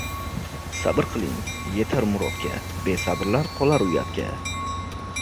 “Sabr qilgan yetar murodga, besabrlar qolar uyatga”